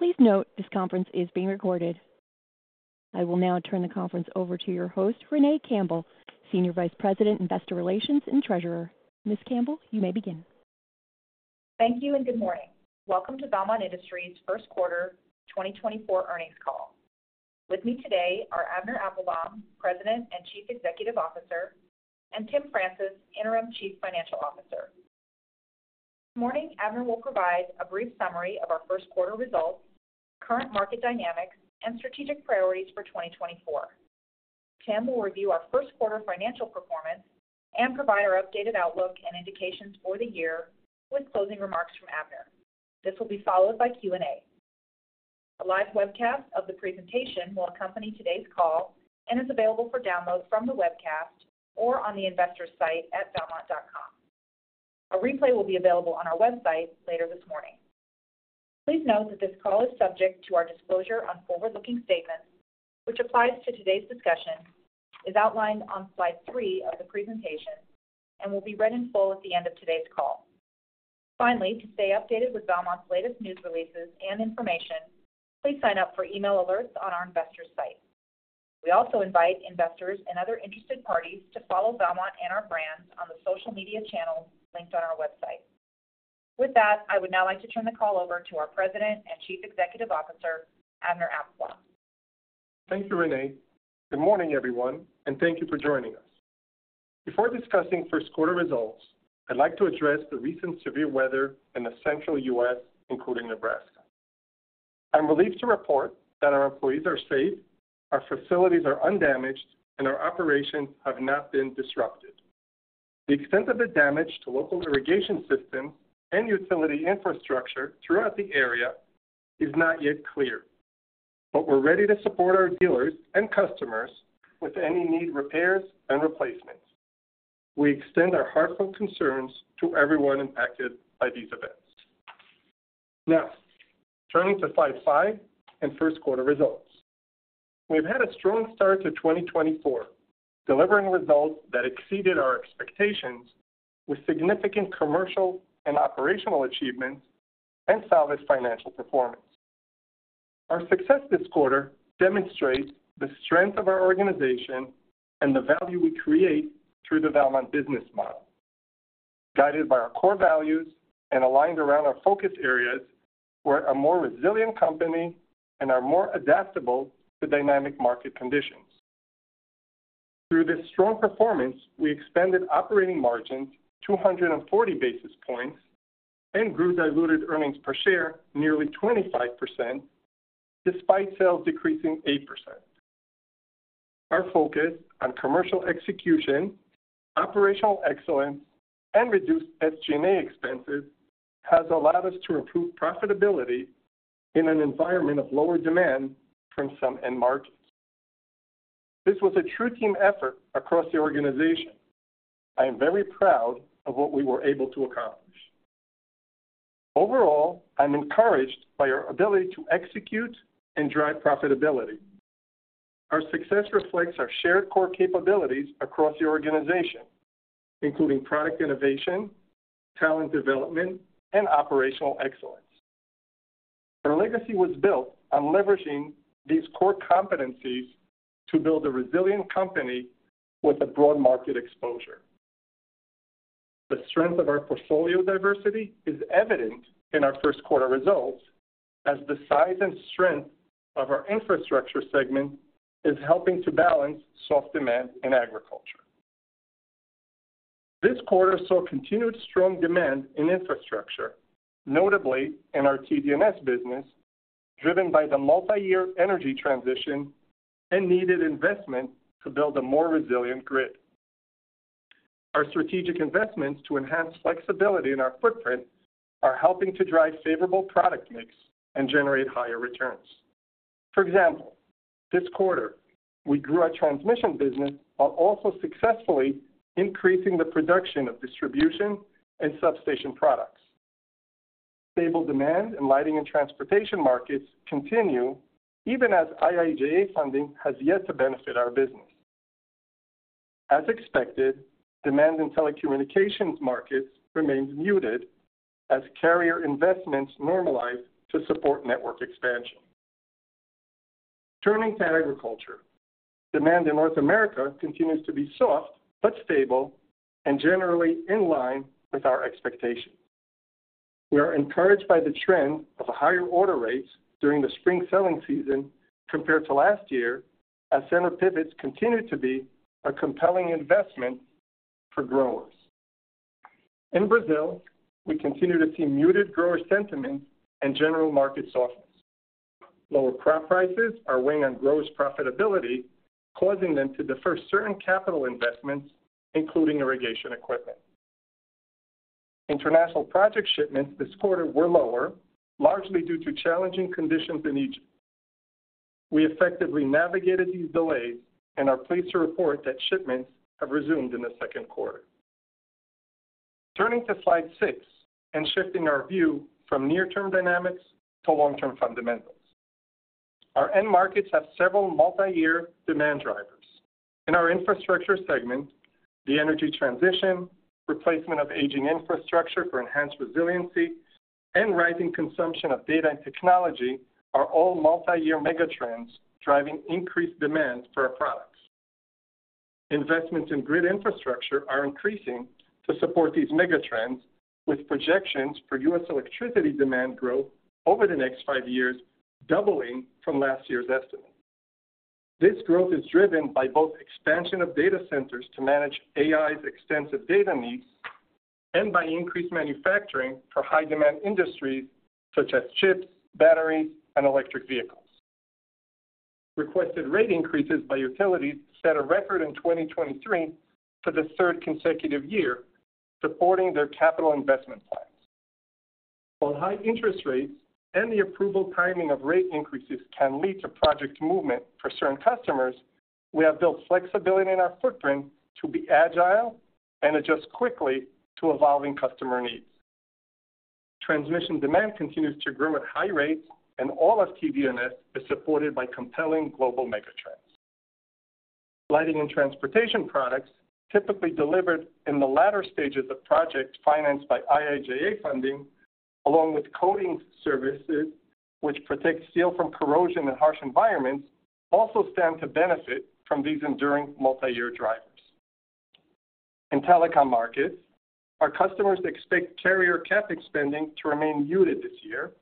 Please note, this conference is being recorded. I will now turn the conference over to your host, Renee Campbell, Senior Vice President, Investor Relations and Treasurer. Ms. Campbell, you may begin. Thank you and good morning. Welcome to Valmont Industries first quarter 2024 earnings call. With me today are Avner Applbaum, President and Chief Executive Officer, and Tim Francis, Interim Chief Financial Officer. This morning, Avner will provide a brief summary of our first quarter results, current market dynamics, and strategic priorities for 2024. Tim will review our first quarter financial performance and provide our updated outlook and indications for the year, with closing remarks from Avner. This will be followed by Q&A. A live webcast of the presentation will accompany today's call and is available for download from the webcast or on the investor site at valmont.com. A replay will be available on our website later this morning. Please note that this call is subject to our disclosure on forward-looking statements, which applies to today's discussion, is outlined on slide three of the presentation, and will be read in full at the end of today's call. Finally, to stay updated with Valmont's latest news releases and information, please sign up for email alerts on our investor site. We also invite investors and other interested parties to follow Valmont and our brands on the social media channels linked on our website. With that, I would now like to turn the call over to our President and Chief Executive Officer, Avner Applbaum. Thank you, Renee. Good morning, everyone, and thank you for joining us. Before discussing first quarter results, I'd like to address the recent severe weather in the central U.S., including Nebraska. I'm relieved to report that our employees are safe, our facilities are undamaged, and our operations have not been disrupted. The extent of the damage to local irrigation systems and utility infrastructure throughout the area is not yet clear, but we're ready to support our dealers and customers with any need, repairs and replacements. We extend our heartfelt concerns to everyone impacted by these events. Now, turning to slide five and first quarter results. We've had a strong start to 2024, delivering results that exceeded our expectations, with significant commercial and operational achievements and solid financial performance. Our success this quarter demonstrates the strength of our organization and the value we create through the Valmont business model. Guided by our core values and aligned around our focus areas, we're a more resilient company and are more adaptable to dynamic market conditions. Through this strong performance, we expanded operating margins 240 basis points and grew diluted earnings per share nearly 25%, despite sales decreasing 8%. Our focus on commercial execution, operational excellence, and reduced SG&A expenses has allowed us to improve profitability in an environment of lower demand from some end markets. This was a true team effort across the organization. I am very proud of what we were able to accomplish. Overall, I'm encouraged by our ability to execute and drive profitability. Our success reflects our shared core capabilities across the organization, including product innovation, talent development, and operational excellence. Our legacy was built on leveraging these core competencies to build a resilient company with a broad market exposure. The strength of our portfolio diversity is evident in our first quarter results, as the size and strength of our infrastructure segment is helping to balance soft demand in agriculture. This quarter saw continued strong demand in infrastructure, notably in our TD&S business, driven by the multi-year energy transition and needed investment to build a more resilient grid. Our strategic investments to enhance flexibility in our footprint are helping to drive favorable product mix and generate higher returns. For example, this quarter, we grew our transmission business while also successfully increasing the production of distribution and substation products. Stable demand in lighting and transportation markets continue, even as IIJA funding has yet to benefit our business. As expected, demand in telecommunications markets remains muted as carrier investments normalize to support network expansion. Turning to agriculture. Demand in North America continues to be soft but stable and generally in line with our expectations. We are encouraged by the trend of higher order rates during the spring selling season compared to last year, as center pivots continue to be a compelling investment for growers. In Brazil, we continue to see muted grower sentiment and general market softness. Lower crop prices are weighing on growers' profitability, causing them to defer certain capital investments, including irrigation equipment. International project shipments this quarter were lower, largely due to challenging conditions in Egypt. We effectively navigated these delays and are pleased to report that shipments have resumed in the second quarter. Turning to slide six and shifting our view from near-term dynamics to long-term fundamentals.... Our end markets have several multi-year demand drivers. In our infrastructure segment, the energy transition, replacement of aging infrastructure for enhanced resiliency, and rising consumption of data and technology are all multi-year megatrends driving increased demand for our products. Investments in grid infrastructure are increasing to support these megatrends, with projections for U.S. electricity demand growth over the next five years doubling from last year's estimate. This growth is driven by both expansion of data centers to manage AI's extensive data needs, and by increased manufacturing for high demand industries, such as chips, batteries, and electric vehicles. Requested rate increases by utilities set a record in 2023 for the third consecutive year, supporting their capital investment plans. While high interest rates and the approval timing of rate increases can lead to project movement for certain customers, we have built flexibility in our footprint to be agile and adjust quickly to evolving customer needs. Transmission demand continues to grow at high rates, and all of TD&S is supported by compelling global megatrends. Lighting and transportation products, typically delivered in the latter stages of projects financed by IIJA funding, along with coating services, which protect steel from corrosion in harsh environments, also stand to benefit from these enduring multi-year drivers. In telecom markets, our customers expect carrier CapEx spending to remain muted this year,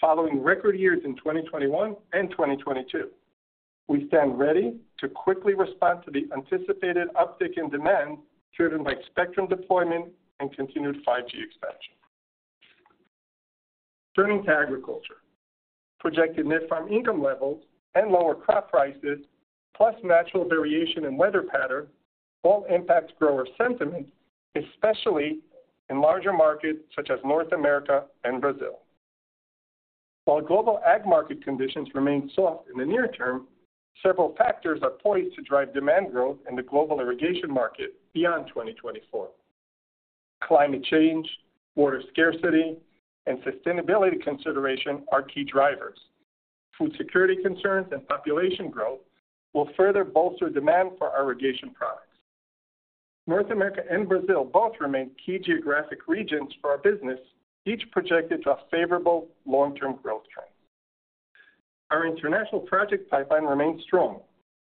following record years in 2021 and 2022. We stand ready to quickly respond to the anticipated uptick in demand, driven by spectrum deployment and continued 5G expansion. Turning to agriculture. Projected net farm income levels and lower crop prices, plus natural variation in weather pattern, all impact grower sentiment, especially in larger markets such as North America and Brazil. While global ag market conditions remain soft in the near term, several factors are poised to drive demand growth in the global irrigation market beyond 2024. Climate change, water scarcity, and sustainability consideration are key drivers. Food security concerns and population growth will further bolster demand for our irrigation products. North America and Brazil both remain key geographic regions for our business, each projected to have favorable long-term growth trends. Our international project pipeline remains strong.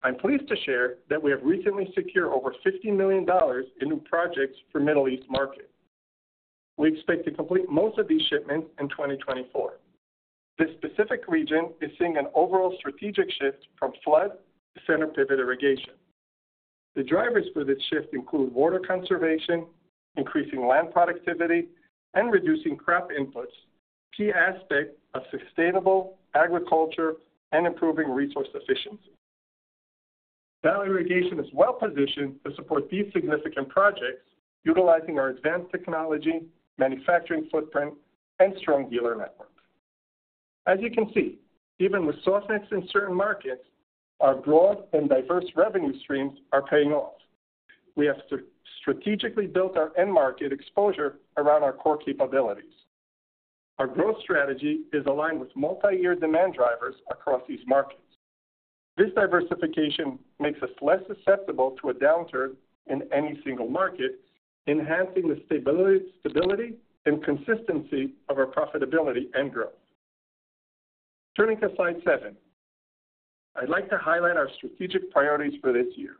I'm pleased to share that we have recently secured over $50 million in new projects for Middle East market. We expect to complete most of these shipments in 2024. This specific region is seeing an overall strategic shift from flood to center pivot irrigation. The drivers for this shift include water conservation, increasing land productivity, and reducing crop inputs, key aspect of sustainable agriculture and improving resource efficiency. Valley Irrigation is well positioned to support these significant projects, utilizing our advanced technology, manufacturing footprint, and strong dealer network. As you can see, even with softness in certain markets, our broad and diverse revenue streams are paying off. We have strategically built our end market exposure around our core capabilities. Our growth strategy is aligned with multi-year demand drivers across these markets. This diversification makes us less susceptible to a downturn in any single market, enhancing the stability and consistency of our profitability and growth. Turning to slide seven, I'd like to highlight our strategic priorities for this year.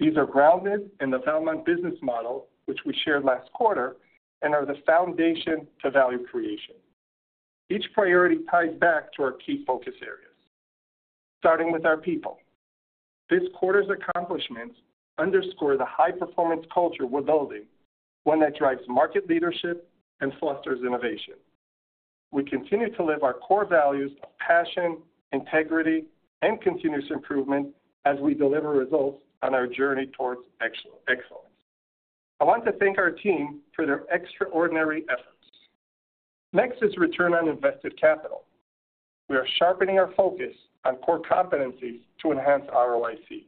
These are grounded in the Valmont business model, which we shared last quarter, and are the foundation to value creation. Each priority ties back to our key focus areas, starting with our people. This quarter's accomplishments underscore the high-performance culture we're building, one that drives market leadership and fosters innovation. We continue to live our core values of passion, integrity, and continuous improvement as we deliver results on our journey towards excellence. I want to thank our team for their extraordinary efforts. Next is return on invested capital. We are sharpening our focus on core competencies to enhance ROIC.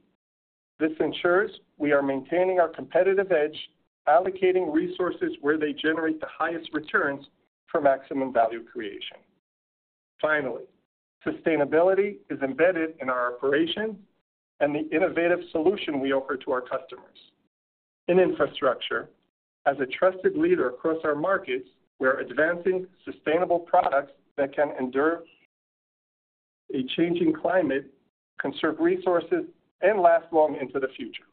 This ensures we are maintaining our competitive edge, allocating resources where they generate the highest returns for maximum value creation. Finally, sustainability is embedded in our operation and the innovative solution we offer to our customers. In infrastructure, as a trusted leader across our markets, we are advancing sustainable products that can endure a changing climate, conserve resources, and last long into the future.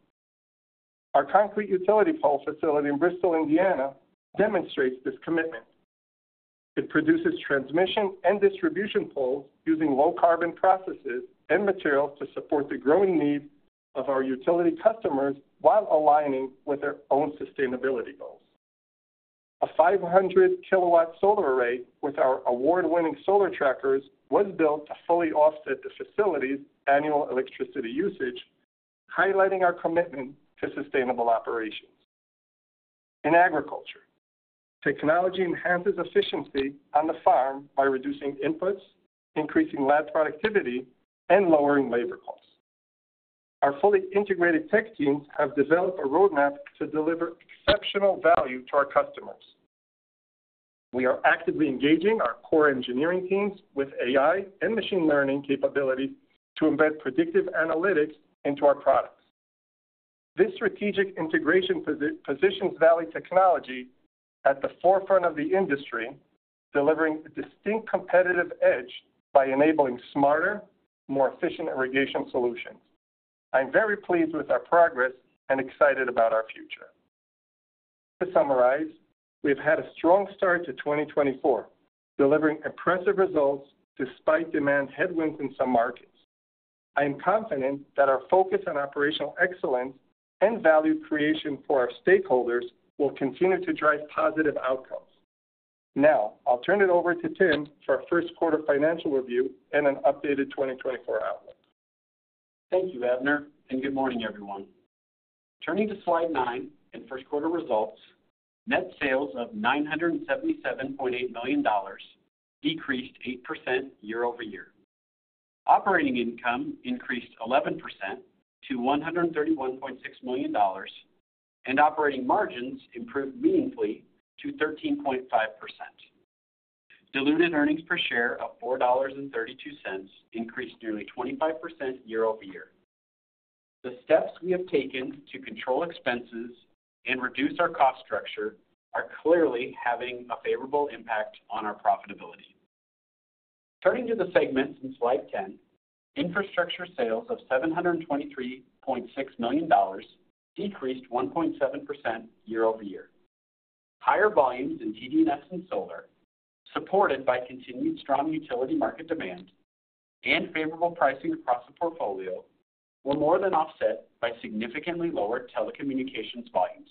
Our concrete utility pole facility in Bristol, Indiana, demonstrates this commitment. It produces transmission and distribution poles using low carbon processes and materials to support the growing needs of our utility customers while aligning with their own sustainability goals. A 500-kilowatt solar array, with our award-winning solar trackers, was built to fully offset the facility's annual electricity usage, highlighting our commitment to sustainable operations. In agriculture, technology enhances efficiency on the farm by reducing inputs, increasing land productivity, and lowering labor costs. Our fully integrated tech teams have developed a roadmap to deliver exceptional value to our customers. We are actively engaging our core engineering teams with AI and machine learning capabilities to embed predictive analytics into our products. This strategic integration positions Valley Technology at the forefront of the industry, delivering a distinct competitive edge by enabling smarter, more efficient irrigation solutions. I'm very pleased with our progress and excited about our future. To summarize, we've had a strong start to 2024, delivering impressive results despite demand headwinds in some markets. I am confident that our focus on operational excellence and value creation for our stakeholders will continue to drive positive outcomes. Now, I'll turn it over to Tim for our first quarter financial review and an updated 2024 outlook. Thank you, Avner, and good morning, everyone. Turning to Slide nine and first quarter results, net sales of $977.8 million decreased 8% year-over-year. Operating income increased 11% to $131.6 million, and operating margins improved meaningfully to 13.5%. Diluted earnings per share of $4.32 increased nearly 25% year-over-year. The steps we have taken to control expenses and reduce our cost structure are clearly having a favorable impact on our profitability. Turning to the segments in Slide 10, infrastructure sales of $723.6 million decreased 1.7% year-over-year. Higher volumes in TD&S and solar, supported by continued strong utility market demand and favorable pricing across the portfolio, were more than offset by significantly lower telecommunications volumes.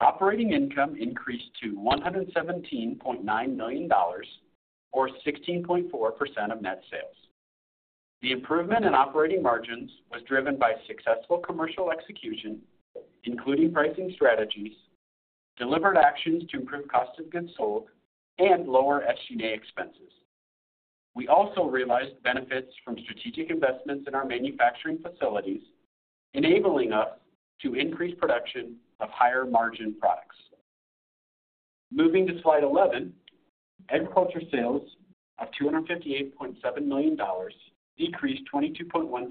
Operating income increased to $117.9 million or 16.4% of net sales. The improvement in operating margins was driven by successful commercial execution, including pricing strategies, delivered actions to improve cost of goods sold, and lower SG&A expenses. We also realized benefits from strategic investments in our manufacturing facilities, enabling us to increase production of higher-margin products. Moving to Slide 11, agriculture sales of $258.7 million decreased 22.1%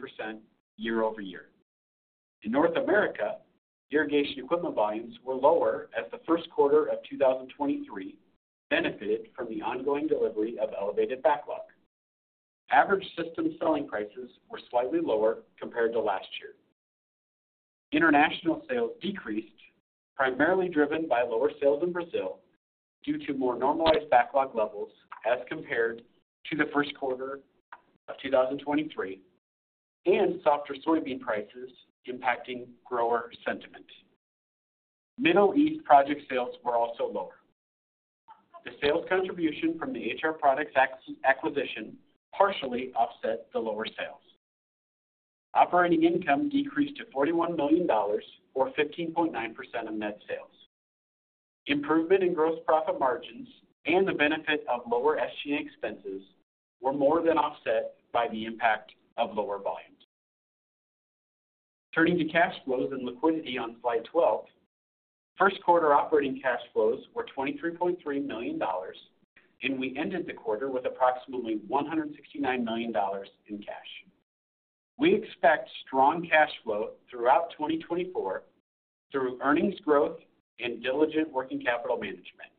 year-over-year. In North America, irrigation equipment volumes were lower as the first quarter of 2023 benefited from the ongoing delivery of elevated backlog. Average system selling prices were slightly lower compared to last year. International sales decreased, primarily driven by lower sales in Brazil, due to more normalized backlog levels as compared to the first quarter of 2023, and softer soybean prices impacting grower sentiment. Middle East project sales were also lower. The sales contribution from the HR Products acquisition partially offset the lower sales. Operating income decreased to $41 million, or 15.9% of net sales. Improvement in gross profit margins and the benefit of lower SG&A expenses were more than offset by the impact of lower volumes. Turning to cash flows and liquidity on Slide 12, first quarter operating cash flows were $23.3 million, and we ended the quarter with approximately $169 million in cash. We expect strong cash flow throughout 2024 through earnings growth and diligent working capital management.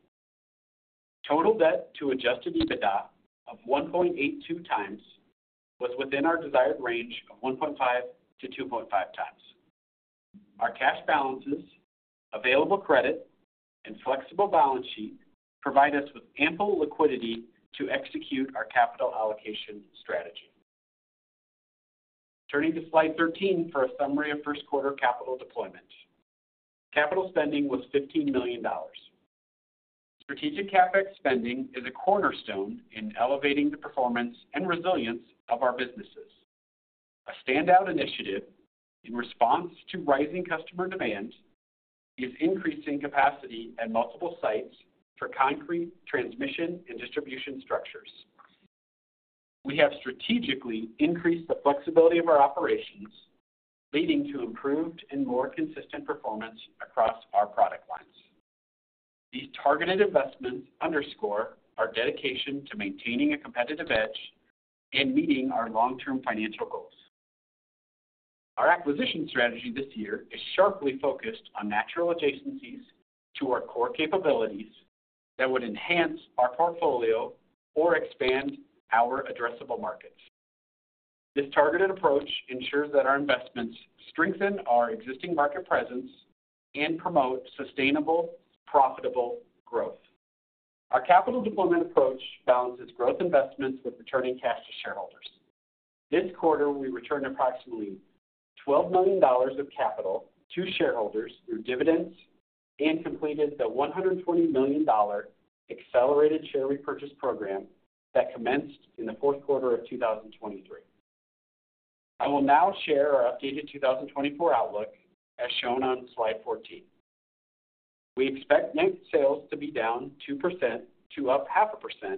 Total debt to adjusted EBITDA of 1.82 times was within our desired range of 1.5-2.5 times. Our cash balances, available credit, and flexible balance sheet provide us with ample liquidity to execute our capital allocation strategy. Turning to Slide 13 for a summary of first quarter capital deployment. Capital spending was $15 million. Strategic CapEx spending is a cornerstone in elevating the performance and resilience of our businesses. A standout initiative in response to rising customer demand is increasing capacity at multiple sites for concrete, transmission, and distribution structures. We have strategically increased the flexibility of our operations, leading to improved and more consistent performance across our product lines. These targeted investments underscore our dedication to maintaining a competitive edge and meeting our long-term financial goals. Our acquisition strategy this year is sharply focused on natural adjacencies to our core capabilities that would enhance our portfolio or expand our addressable markets. This targeted approach ensures that our investments strengthen our existing market presence and promote sustainable, profitable growth. Our capital deployment approach balances growth investments with returning cash to shareholders. This quarter, we returned approximately $12 million of capital to shareholders through dividends and completed the $120 million accelerated share repurchase program that commenced in the fourth quarter of 2023. I will now share our updated 2024 outlook as shown on Slide 14. We expect net sales to be down 2% to up 0.5%,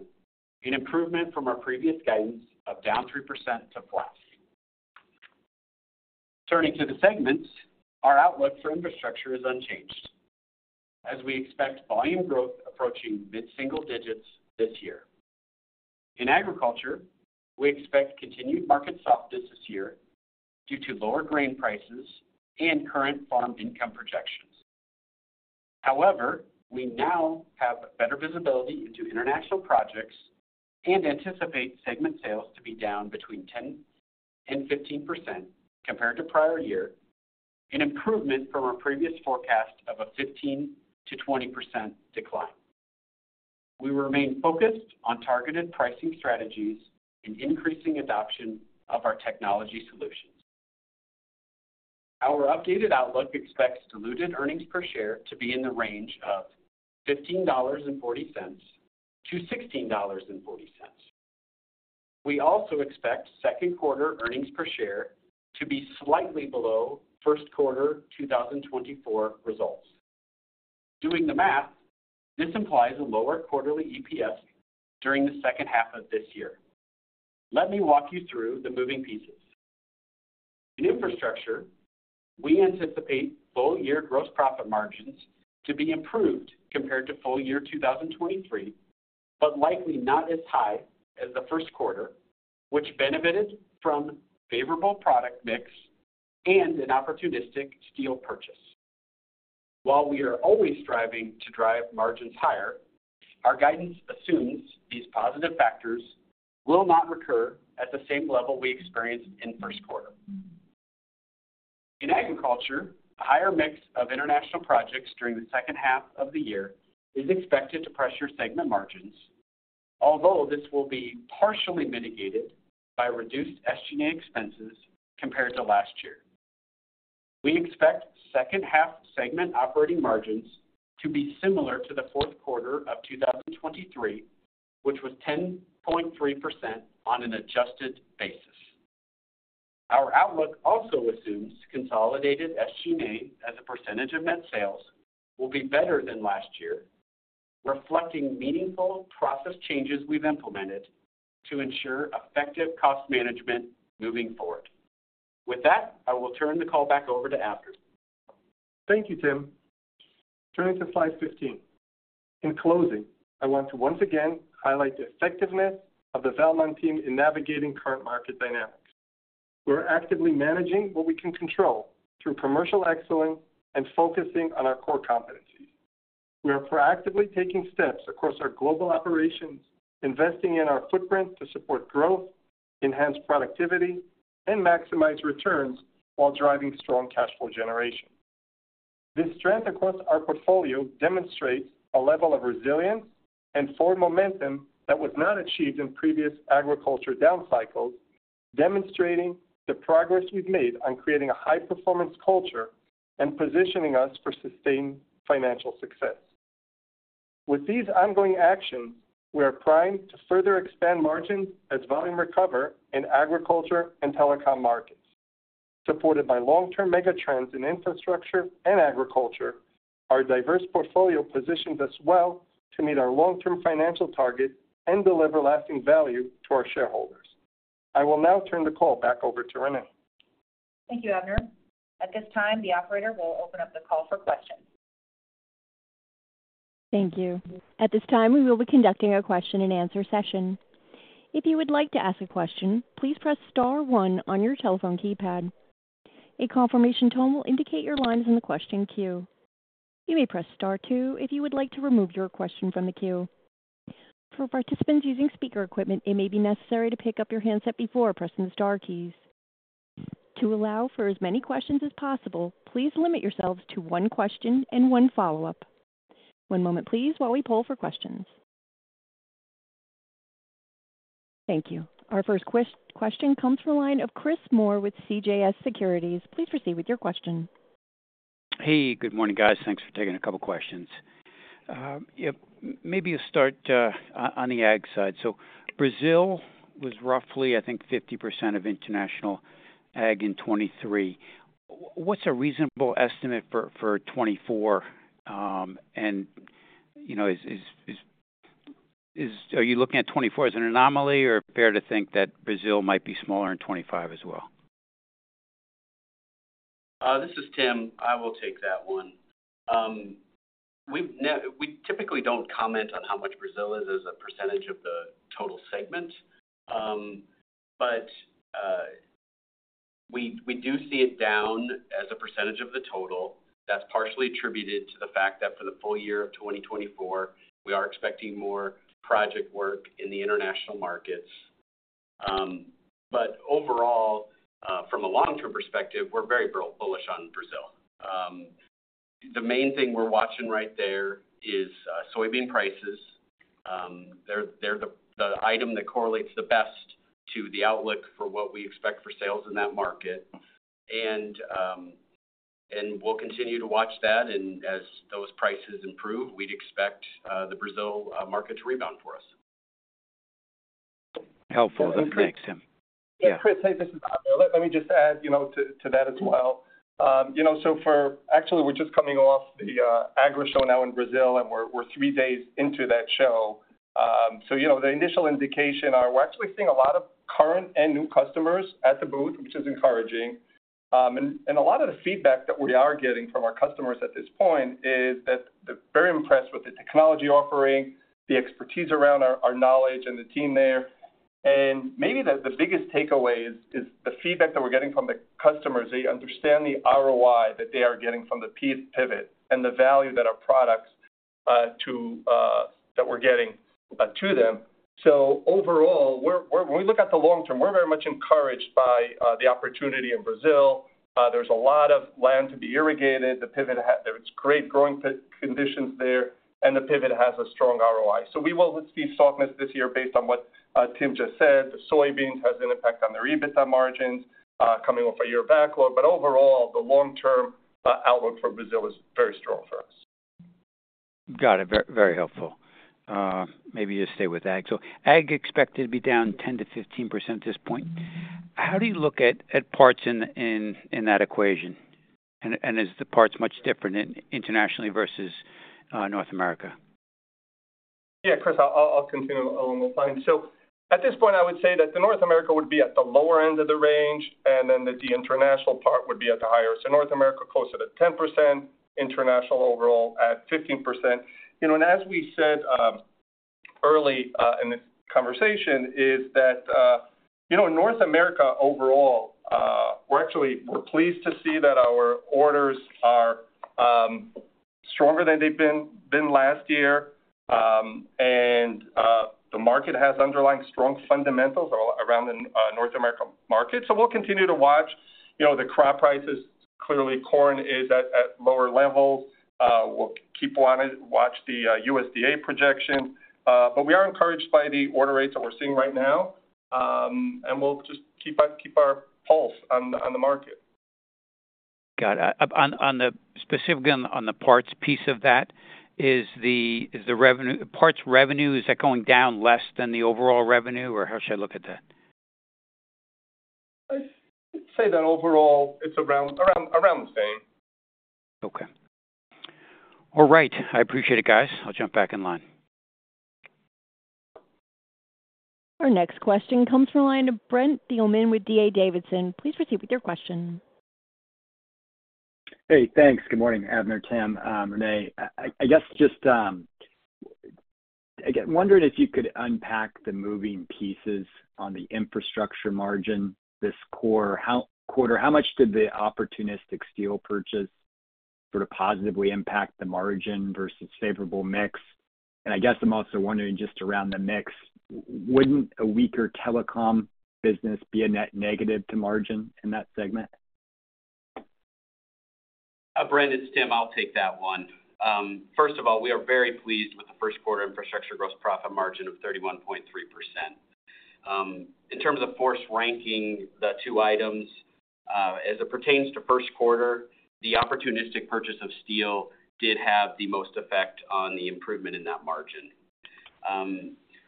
an improvement from our previous guidance of down 3% to flat. Turning to the segments, our outlook for infrastructure is unchanged, as we expect volume growth approaching mid-single digits this year. In agriculture, we expect continued market softness this year due to lower grain prices and current farm income projections. However, we now have better visibility into international projects and anticipate segment sales to be down between 10% and 15% compared to prior year, an improvement from our previous forecast of a 15%-20% decline. We remain focused on targeted pricing strategies and increasing adoption of our technology solutions. Our updated outlook expects diluted earnings per share to be in the range of $15.40-$16.40. We also expect second quarter earnings per share to be slightly below first quarter 2024 results. Doing the math, this implies a lower quarterly EPS during the second half of this year. Let me walk you through the moving pieces. In infrastructure, we anticipate full year gross profit margins to be improved compared to full year 2023, but likely not as high as the first quarter, which benefited from favorable product mix and an opportunistic steel purchase. While we are always striving to drive margins higher, our guidance assumes these positive factors will not recur at the same level we experienced in first quarter. In agriculture, a higher mix of international projects during the second half of the year is expected to pressure segment margins, although this will be partially mitigated by reduced SG&A expenses compared to last year. We expect second half segment operating margins to be similar to the fourth quarter of 2023, which was 10.3% on an adjusted basis. Our outlook also assumes consolidated SG&A as a percentage of net sales will be better than last year, reflecting meaningful process changes we've implemented to ensure effective cost management moving forward. With that, I will turn the call back over to Avner. Thank you, Tim. Turning to slide 15. In closing, I want to once again highlight the effectiveness of the Valmont team in navigating current market dynamics. We're actively managing what we can control through commercial excellence and focusing on our core competencies. We are proactively taking steps across our global operations, investing in our footprint to support growth, enhance productivity, and maximize returns while driving strong cash flow generation. This strength across our portfolio demonstrates a level of resilience and forward momentum that was not achieved in previous agriculture down cycles, demonstrating the progress we've made on creating a high-performance culture and positioning us for sustained financial success. With these ongoing actions, we are primed to further expand margins as volume recovers in agriculture and telecom markets. Supported by long-term megatrends in infrastructure and agriculture, our diverse portfolio positions us well to meet our long-term financial target and deliver lasting value to our shareholders. I will now turn the call back over to Renee. Thank you, Avner. At this time, the operator will open up the call for questions. Thank you. At this time, we will be conducting a question-and-answer session. If you would like to ask a question, please press star one on your telephone keypad. A confirmation tone will indicate your line is in the question queue. You may press star two if you would like to remove your question from the queue. For participants using speaker equipment, it may be necessary to pick up your handset before pressing the star keys. To allow for as many questions as possible, please limit yourselves to one question and one follow-up. One moment, please, while we poll for questions. Thank you. Our first question comes from the line of Chris Moore with CJS Securities. Please proceed with your question. Hey, good morning, guys. Thanks for taking a couple questions. Yeah, maybe you start on the ag side. So Brazil was roughly, I think, 50% of international ag in 2023. What's a reasonable estimate for 2024? And, you know, are you looking at 2024 as an anomaly, or fair to think that Brazil might be smaller in 2025 as well? This is Tim. I will take that one. We've typically don't comment on how much Brazil is as a percentage of the total segment. But we do see it down as a percentage of the total. That's partially attributed to the fact that for the full year of 2024, we are expecting more project work in the international markets. But overall, from a long-term perspective, we're very bullish on Brazil. The main thing we're watching right there is soybean prices. They're the item that correlates the best to the outlook for what we expect for sales in that market. And we'll continue to watch that, and as those prices improve, we'd expect the Brazil market to rebound for us.... helpful. Thanks, Tim. Yeah. Chris, hey, this is Avner. Let me just add, you know, to that as well. You know, so actually, we're just coming off the Agrishow now in Brazil, and we're three days into that show. You know, the initial indication are we're actually seeing a lot of current and new customers at the booth, which is encouraging. And a lot of the feedback that we are getting from our customers at this point is that they're very impressed with the technology offering, the expertise around our knowledge and the team there. And maybe the biggest takeaway is the feedback that we're getting from the customers. They understand the ROI that they are getting from the pivot and the value that our products, to, that we're getting, to them. So overall, we're when we look at the long term, we're very much encouraged by the opportunity in Brazil. There's a lot of land to be irrigated. There's great growing conditions there, and the pivot has a strong ROI. So we will see softness this year based on what Tim just said. The soybeans has an impact on their EBITDA margins coming off a year backlog. But overall, the long-term outlook for Brazil is very strong for us. Got it. Very, very helpful. Maybe you stay with ag. So ag expected to be down 10%-15% at this point. How do you look at parts in that equation? And is the parts much different internationally versus North America? Yeah, Chris, I'll continue along those lines. So at this point, I would say that the North America would be at the lower end of the range, and then the international part would be at the higher. So North America, closer to 10%, international overall at 15%. You know, and as we said early in this conversation, North America overall, we're actually pleased to see that our orders are stronger than they've been last year. And the market has underlying strong fundamentals around the North America market. So we'll continue to watch, you know, the crop prices. Clearly, corn is at lower levels. We'll keep on it, watch the USDA projection. But we are encouraged by the order rates that we're seeing right now. We'll just keep our pulse on the market. Got it. Specifically on the parts piece of that, is the revenue... Parts revenue, is that going down less than the overall revenue, or how should I look at that? I'd say that overall it's around the same. Okay. All right. I appreciate it, guys. I'll jump back in line. Our next question comes from the line of Brent Thielman with D.A. Davidson. Please proceed with your question. Hey, thanks. Good morning, Avner, Tim, Renee. I guess just again wondering if you could unpack the moving pieces on the infrastructure margin this quarter. How much did the opportunistic steel purchase sort of positively impact the margin versus favorable mix? And I guess I'm also wondering, just around the mix, wouldn't a weaker telecom business be a net negative to margin in that segment? Brent, it's Tim, I'll take that one. First of all, we are very pleased with the first quarter infrastructure gross profit margin of 31.3%. In terms of, of course, ranking the two items, as it pertains to first quarter, the opportunistic purchase of steel did have the most effect on the improvement in that margin.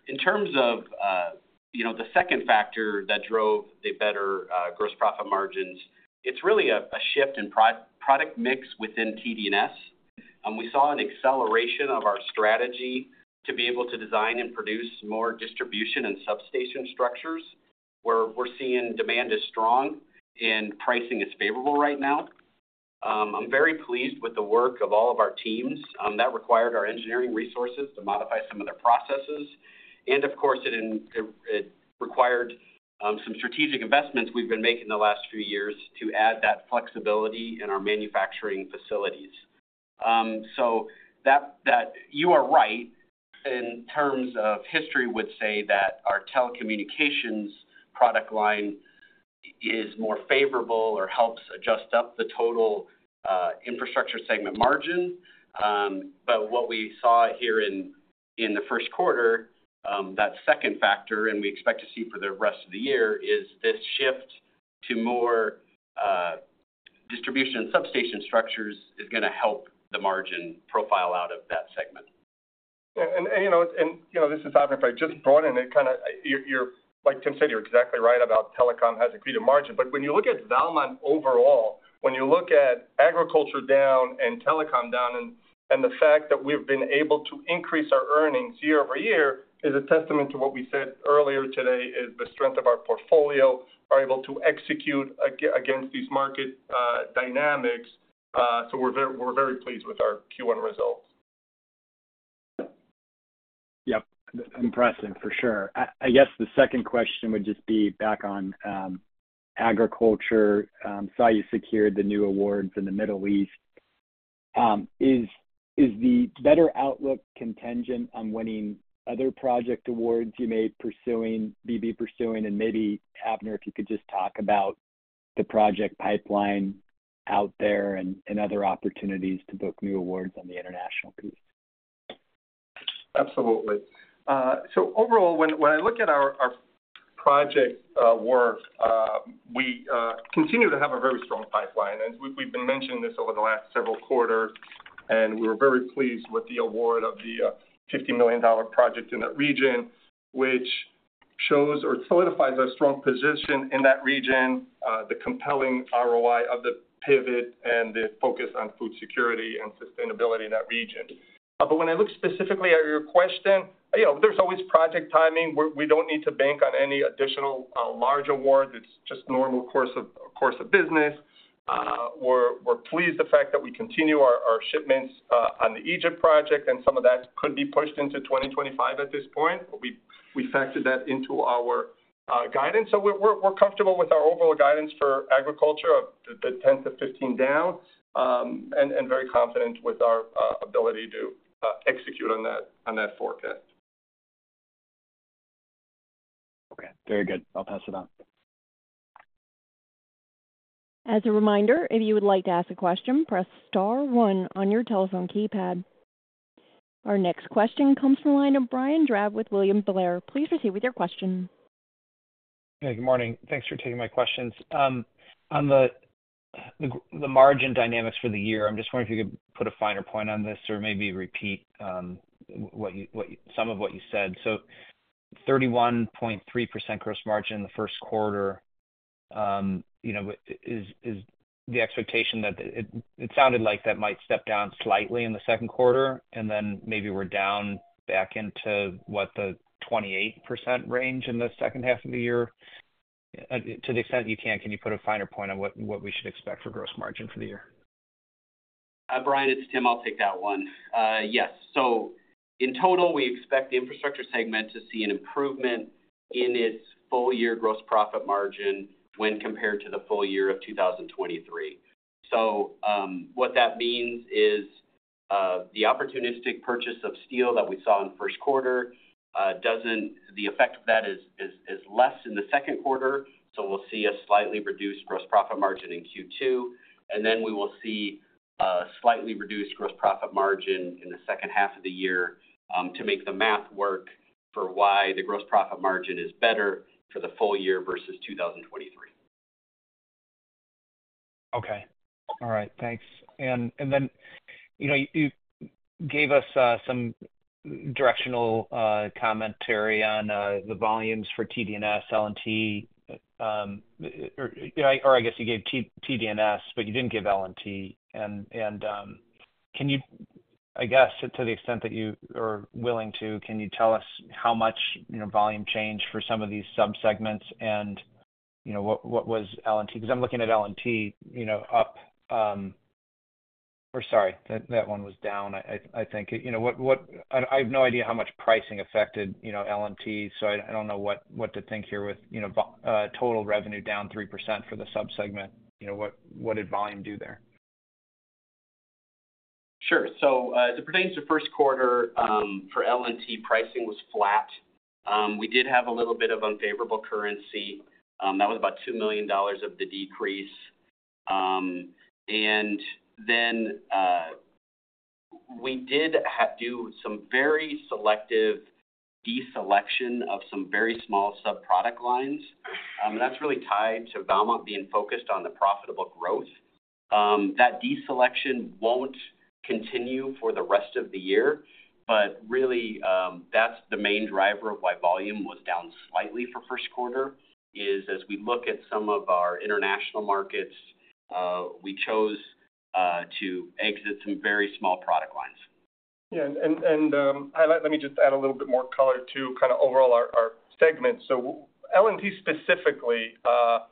In terms of, you know, the second factor that drove the better gross profit margins, it's really a shift in product mix within TD&S. And we saw an acceleration of our strategy to be able to design and produce more distribution and substation structures, where we're seeing demand is strong and pricing is favorable right now. I'm very pleased with the work of all of our teams. That required our engineering resources to modify some of their processes. Of course, it required some strategic investments we've been making the last few years to add that flexibility in our manufacturing facilities. You are right, in terms of history, would say that our telecommunications product line is more favorable or helps adjust up the total infrastructure segment margin. But what we saw here in the first quarter, that second factor, and we expect to see for the rest of the year, is this shift to more distribution and substation structures is gonna help the margin profile out of that segment. You know, this is Avner. If I just brought in, it kind of, you're, you're like Tim said, you're exactly right about telecom has a greater margin. But when you look at Valmont overall, when you look at agriculture down and telecom down, and the fact that we've been able to increase our earnings year-over-year, is a testament to what we said earlier today, is the strength of our portfolio, are able to execute against these market dynamics. So we're very pleased with our Q1 results. Yep. Impressive, for sure. I guess the second question would just be back on agriculture. Saw you secured the new awards in the Middle East. Is the better outlook contingent on winning other project awards you may pursuing, be pursuing? And maybe, Avner, if you could just talk about the project pipeline out there and other opportunities to book new awards on the international piece. Absolutely. So overall, when I look at our project work, we continue to have a very strong pipeline, and we've been mentioning this over the last several quarters... and we were very pleased with the award of the $50 million project in that region, which shows or solidifies our strong position in that region, the compelling ROI of the pivot and the focus on food security and sustainability in that region. But when I look specifically at your question, you know, there's always project timing, where we don't need to bank on any additional large awards. It's just normal course of business. We're pleased the fact that we continue our shipments on the Egypt project, and some of that could be pushed into 2025 at this point. But we factored that into our guidance. So we're comfortable with our overall guidance for agriculture of 10-15 down, and very confident with our ability to execute on that forecast. Okay, very good. I'll pass it on. As a reminder, if you would like to ask a question, press star one on your telephone keypad. Our next question comes from the line of Brian Drab with William Blair. Please proceed with your question. Hey, good morning. Thanks for taking my questions. On the margin dynamics for the year, I'm just wondering if you could put a finer point on this or maybe repeat some of what you said. So 31.3% gross margin in the first quarter, you know, what is the expectation that it sounded like that might step down slightly in the second quarter, and then maybe we're down back into the 28% range in the second half of the year? To the extent you can, can you put a finer point on what we should expect for gross margin for the year? Brian, it's Tim. I'll take that one. Yes. So in total, we expect the infrastructure segment to see an improvement in its full year gross profit margin when compared to the full year of 2023. So, what that means is, the opportunistic purchase of steel that we saw in the first quarter doesn't, the effect of that is less in the second quarter, so we'll see a slightly reduced gross profit margin in Q2, and then we will see a slightly reduced gross profit margin in the second half of the year, to make the math work for why the gross profit margin is better for the full year versus 2023. Okay. All right. Thanks. And then, you know, you gave us some directional commentary on the volumes for TD&S, L&T, or I guess you gave TD&S, but you didn't give L&T. And can you... I guess, to the extent that you are willing to, can you tell us how much, you know, volume change for some of these subsegments and, you know, what was L&T? Because I'm looking at L&T, you know, up, or sorry, that one was down, I think. You know, what... I have no idea how much pricing affected, you know, L&T, so I don't know what to think here with, you know, total revenue down 3% for the subsegment. You know, what did volume do there? Sure. So, as it pertains to first quarter, for L&T, pricing was flat. We did have a little bit of unfavorable currency. That was about $2 million of the decrease. And then, we did have to do some very selective deselection of some very small sub-product lines. That's really tied to Valmont being focused on the profitable growth. That deselection won't continue for the rest of the year, but really, that's the main driver of why volume was down slightly for first quarter, is as we look at some of our international markets, we chose to exit some very small product lines. Yeah, and let me just add a little bit more color to kind of overall our segment. So L&T specifically, it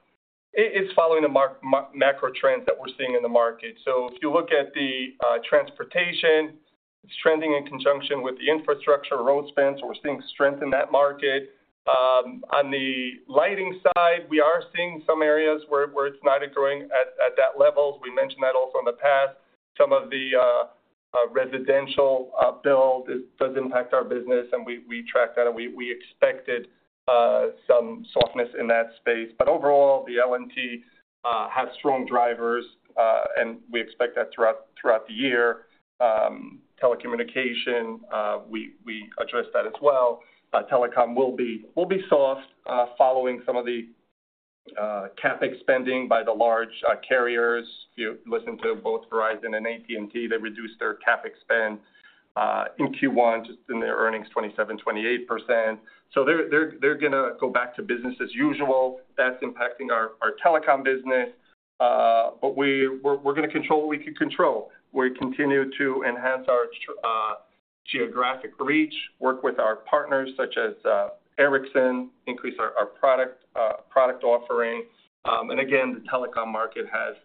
is following the macro trends that we're seeing in the market. So if you look at the transportation, it's trending in conjunction with the infrastructure road spends, we're seeing strength in that market. On the lighting side, we are seeing some areas where it's not growing at that level. We mentioned that also in the past. Some of the residential build does impact our business, and we track that, and we expected some softness in that space. But overall, the L&T have strong drivers, and we expect that throughout the year. Telecommunication, we addressed that as well. Telecom will be soft following some of the CapEx spending by the large carriers. You listen to both Verizon and AT&T, they reduced their CapEx spend in Q1, just in their earnings, 27%-28%. So they're gonna go back to business as usual. That's impacting our telecom business, but we're gonna control what we can control. We continue to enhance our geographic reach, work with our partners, such as Ericsson, increase our product offering. And again, the telecom market has,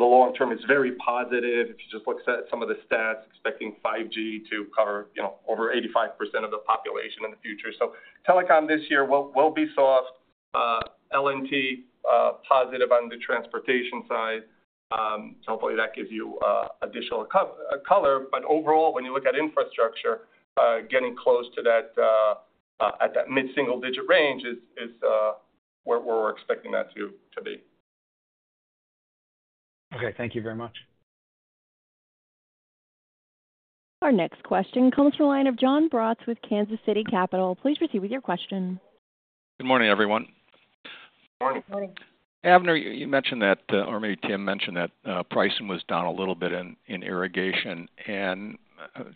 the long term is very positive. If you just look at some of the stats, expecting 5G to cover, you know, over 85% of the population in the future. So telecom this year will be soft, L&T positive on the transportation side. So hopefully that gives you additional color. But overall, when you look at infrastructure, getting close to that at that mid-single-digit range is where we're expecting that to be. Okay, thank you very much. Our next question comes from the line of Jon Braatz with Kansas City Capital. Please proceed with your question. Good morning, everyone. Good morning. Avner, you mentioned that, or maybe Tim mentioned that, pricing was down a little bit in irrigation, and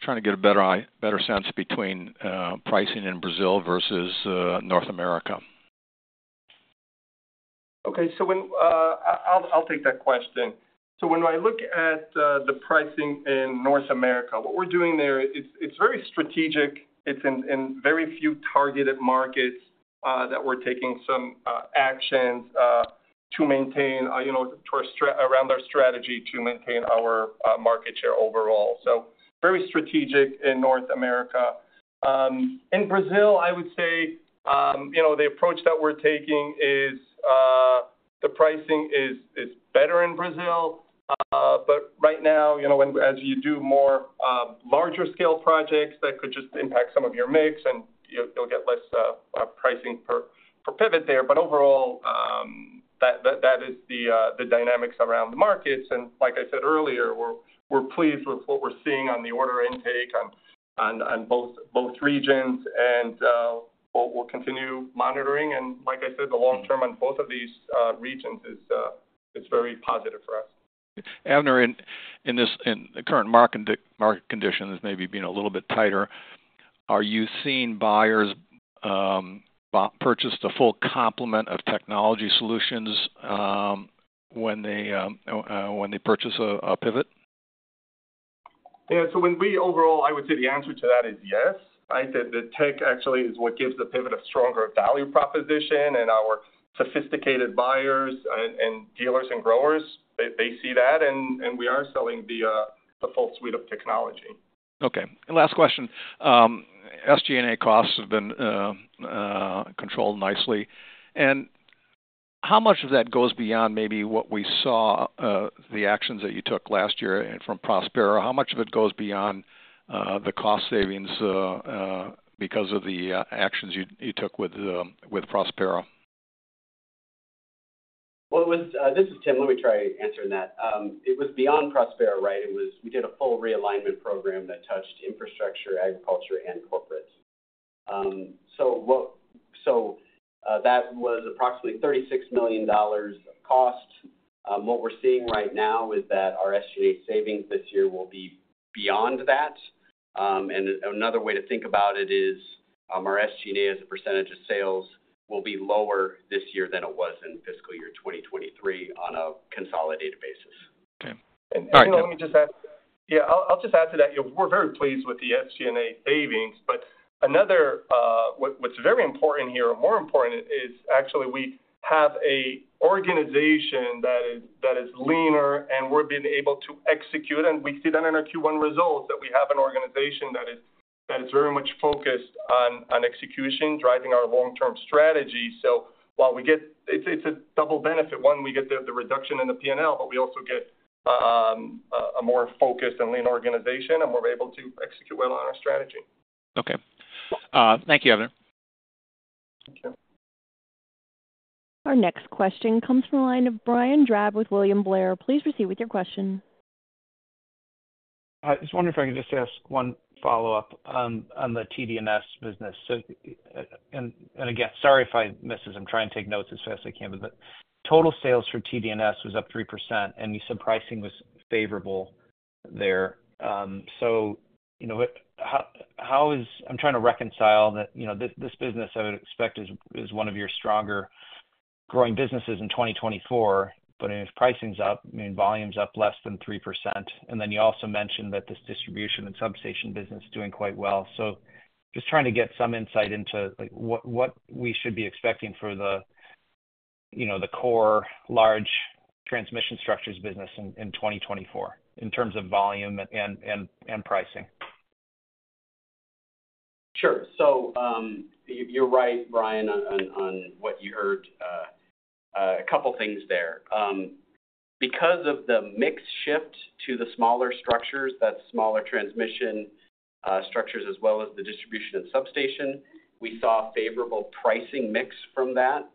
trying to get a better sense between pricing in Brazil versus North America. Okay, so I'll take that question. So when I look at the pricing in North America, what we're doing there, it's very strategic. It's in very few targeted markets that we're taking some actions to maintain, you know, around our strategy to maintain our market share overall. So very strategic in North America. In Brazil, I would say, you know, the approach that we're taking is the pricing is better in Brazil. But right now, you know, as you do more larger scale projects, that could just impact some of your mix, and you'll get less pricing per pivot there. But overall, that is the dynamics around the markets. Like I said earlier, we're pleased with what we're seeing on the order intake on both regions. We'll continue monitoring. Like I said, the long term on both of these regions is very positive for us. Avner, in this, in the current market conditions, maybe being a little bit tighter, are you seeing buyers purchase the full complement of technology solutions, when they purchase a Pivot? Yeah, so when we overall, I would say the answer to that is yes, right? That the tech actually is what gives the Pivot a stronger value proposition. And our sophisticated buyers and dealers and growers, they see that, and we are selling the full suite of technology. Okay, and last question. SG&A costs have been controlled nicely. And how much of that goes beyond maybe what we saw, the actions that you took last year and from Prospera? How much of it goes beyond the cost savings because of the actions you took with Prospera? Well, it was... This is Tim. Let me try answering that. It was beyond Prospera, right? It was, we did a full realignment program that touched infrastructure, agriculture, and corporate. So, that was approximately $36 million cost. What we're seeing right now is that our SG&A savings this year will be beyond that. And another way to think about it is, our SG&A, as a percentage of sales, will be lower this year than it was in fiscal year 2023 on a consolidated basis. Okay. You know, let me just add. Yeah, I'll just add to that. We're very pleased with the SG&A savings, but another, what's very important here, or more important, is actually we have a organization that is, that is leaner, and we're being able to execute. And we see that in our Q1 results, that we have an organization that is, that is very much focused on, on execution, driving our long-term strategy. So while we get... It's, it's a double benefit. One, we get the, the reduction in the P&L, but we also get, a, a more focused and lean organization, and we're able to execute well on our strategy. Okay. Thank you, Avner. Thank you. Our next question comes from the line of Brian Drab with William Blair. Please proceed with your question. Hi, I was wondering if I could just ask one follow-up on the TD&S business. So, and again, sorry if I missed this. I'm trying to take notes as fast as I can, but total sales for TD&S was up 3%, and you said pricing was favorable there. So you know, what, how is... I'm trying to reconcile that, you know, this business, I would expect is one of your stronger growing businesses in 2024. But if pricing's up, I mean, volume's up less than 3%. And then you also mentioned that this distribution and substation business is doing quite well. So just trying to get some insight into, like, what we should be expecting for the, you know, the core large transmission structures business in 2024 in terms of volume and pricing. Sure. So, you're right, Brian, on what you heard. A couple things there. Because of the mix shift to the smaller structures, that's smaller transmission structures, as well as the distribution and substation, we saw a favorable pricing mix from that.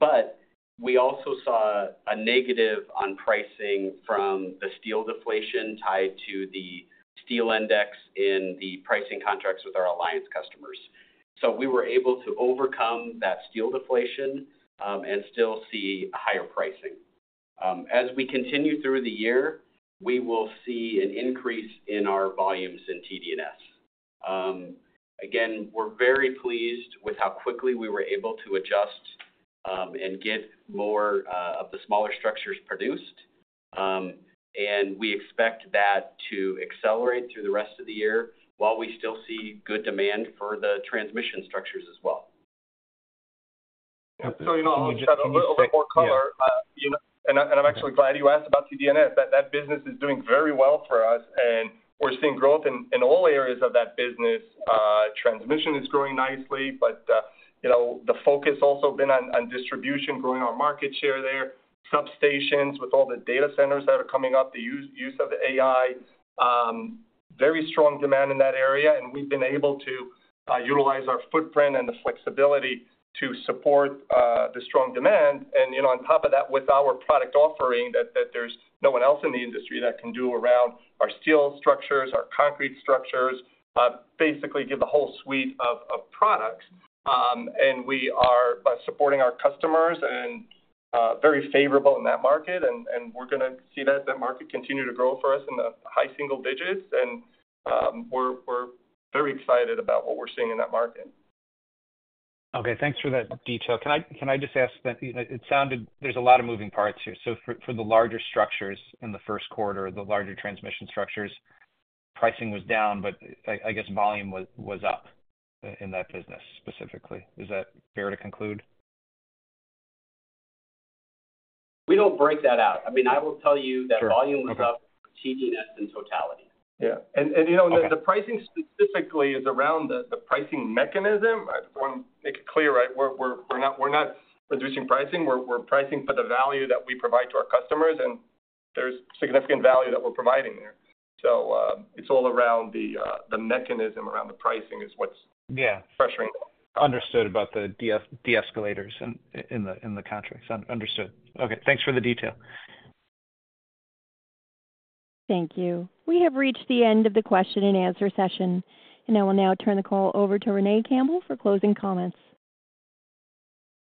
But we also saw a negative on pricing from the steel deflation tied to the steel index in the pricing contracts with our alliance customers. So we were able to overcome that steel deflation, and still see higher pricing. As we continue through the year, we will see an increase in our volumes in TD&S. Again, we're very pleased with how quickly we were able to adjust, and get more of the smaller structures produced. And we expect that to accelerate through the rest of the year, while we still see good demand for the transmission structures as well. So, you know...... A little bit more color. Yeah. You know, and I'm actually glad you asked about TD&S. That business is doing very well for us, and we're seeing growth in all areas of that business. Transmission is growing nicely, but you know, the focus also been on distribution, growing our market share there. Substations, with all the data centers that are coming up, the use of the AI, very strong demand in that area, and we've been able to utilize our footprint and the flexibility to support the strong demand. And you know, on top of that, with our product offering, that there's no one else in the industry that can do around our steel structures, our concrete structures, basically give the whole suite of products. And we are by supporting our customers and very favorable in that market, and we're gonna see that market continue to grow for us in the high single digits. And we're very excited about what we're seeing in that market. Okay, thanks for that detail. Can I just ask that it sounded like there's a lot of moving parts here. So for the larger structures in the first quarter, the larger transmission structures, pricing was down, but I guess volume was up in that business specifically. Is that fair to conclude? We don't break that out. I mean, I will tell you- Sure. That volume was up, TD&S, in totality. Yeah. And you know, the pricing specifically is around the pricing mechanism. I want to make it clear, right? We're not reducing pricing. We're pricing for the value that we provide to our customers, and there's significant value that we're providing there. So, it's all around the mechanism around the pricing is what's- Yeah. Pressuring. Understood about the de-escalators in the contracts. Understood. Okay, thanks for the detail. Thank you. We have reached the end of the question-and-answer session, and I will now turn the call over to Renee Campbell for closing comments.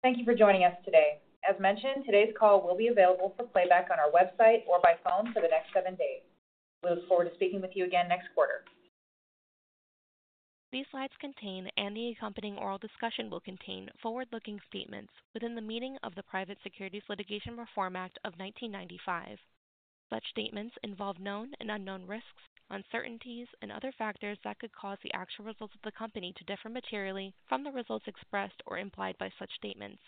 Thank you for joining us today. As mentioned, today's call will be available for playback on our website or by phone for the next seven days. We look forward to speaking with you again next quarter. These slides contain, and the accompanying oral discussion will contain, forward-looking statements within the meaning of the Private Securities Litigation Reform Act of 1995. Such statements involve known and unknown risks, uncertainties, and other factors that could cause the actual results of the company to differ materially from the results expressed or implied by such statements,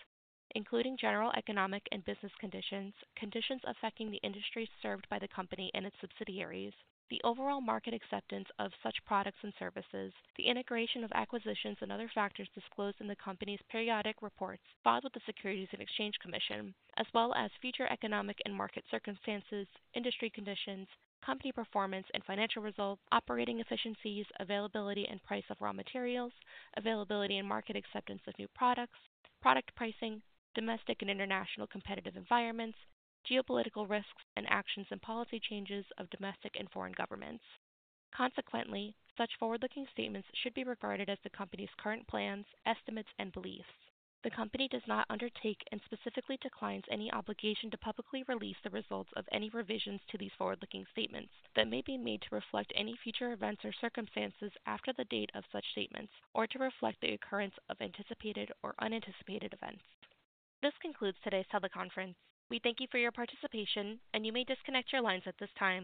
including general economic and business conditions, conditions affecting the industry served by the company and its subsidiaries, the overall market acceptance of such products and services, the integration of acquisitions, and other factors disclosed in the company's periodic reports filed with the Securities and Exchange Commission, as well as future economic and market circumstances, industry conditions, company performance and financial results, operating efficiencies, availability and price of raw materials, availability and market acceptance of new products, product pricing, domestic and international competitive environments, geopolitical risks, and actions and policy changes of domestic and foreign governments. Consequently, such forward-looking statements should be regarded as the company's current plans, estimates, and beliefs. The company does not undertake and specifically declines any obligation to publicly release the results of any revisions to these forward-looking statements that may be made to reflect any future events or circumstances after the date of such statements or to reflect the occurrence of anticipated or unanticipated events. This concludes today's teleconference. We thank you for your participation, and you may disconnect your lines at this time.